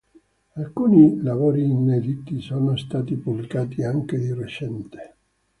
Alcuni lavori inediti sono stati pubblicati anche di recente.